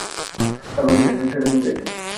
তার ভাগ্যে যা ছিল সেটা তুমি পেয়েছ।